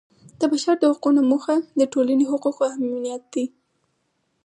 د بشر د حقونو موخه د ټولنې حقوقو امنیت دی.